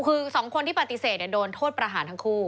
คือ๒คนที่ปฏิเสธโดนโทษประหารทั้งคู่